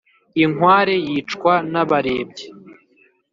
inkware yicwa n’abarebyi